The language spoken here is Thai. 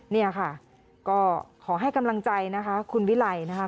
เนี่ยค่ะก็ขอให้กำลังใจนะคะคุณวิไลนะคะ